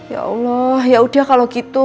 ya allah ya udah kalau gitu